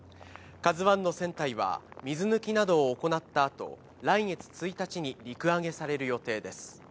ＫＡＺＵＩの船体は、水抜きなどを行ったあと、来月１日に陸揚げされる予定です。